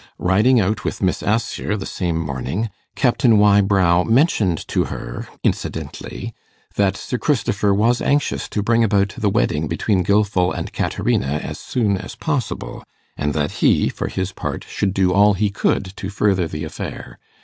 Riding out with Miss Assher the same morning, Captain Wybrow mentioned to her incidentally, that Sir Christopher was anxious to bring about the wedding between Gilfil and Caterina as soon as possible, and that he, for his part, should do all he could to further the affair.